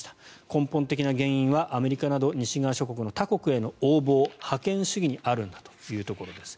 根本的な原因はアメリカなど西側諸国の他国への横暴覇権主義にあるんだというところです。